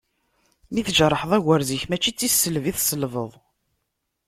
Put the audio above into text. Mi tjerḥeḍ agrez-ik mačči d tisselbi i tselbeḍ.